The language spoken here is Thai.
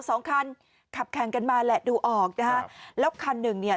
สองคันขับแข่งกันมาแหละดูออกนะฮะแล้วคันหนึ่งเนี่ย